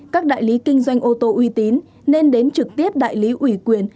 các đại lý kinh doanh ô tô uy tín nên đến trực tiếp đại lý ủy quyền